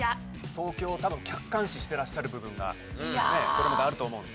東京を多分客観視してらっしゃる部分がこれまであると思うんで。